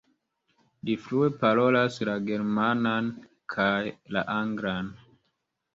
Li flue parolas la germanan kaj la anglan.